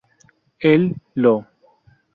El lo.